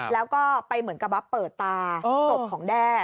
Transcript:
แล้วก็ไปเหมือนกับว่าเปิดตาศพของแด้